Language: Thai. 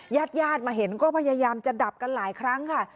ญาติญาติมาเห็นก็พยายามจะดับกันหลายครั้งค่ะ